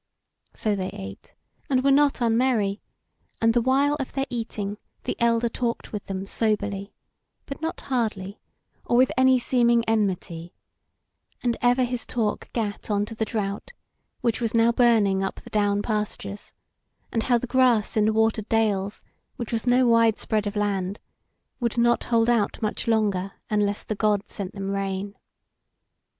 So they ate, and were not unmerry; and the while of their eating the elder talked with them soberly, but not hardly, or with any seeming enmity: and ever his talk gat on to the drought, which was now burning up the down pastures; and how the grass in the watered dales, which was no wide spread of land, would not hold out much longer unless the God sent them rain.